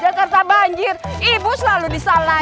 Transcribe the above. jakarta banjir ibu selalu disalah